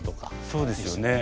そうですよね。